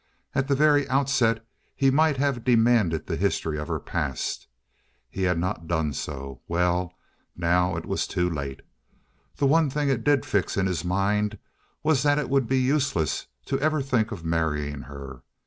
At the very outset he might have demanded the history of her past. He had not done so; well, now it was too late. The one thing it did fix in his mind was that it would be useless to ever think of marrying her.